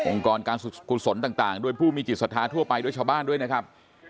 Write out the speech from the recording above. กรการกุศลต่างด้วยผู้มีจิตศรัทธาทั่วไปด้วยชาวบ้านด้วยนะครับ